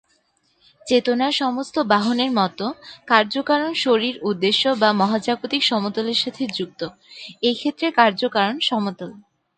চেতনার সমস্ত বাহনের মতো, কার্যকারণ শরীর উদ্দেশ্য বা মহাজাগতিক সমতলের সাথে যুক্ত, এই ক্ষেত্রে কার্যকারণ সমতল।